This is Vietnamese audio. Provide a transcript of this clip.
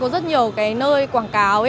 mà có rất nhiều cái nơi quảng cáo ấy ạ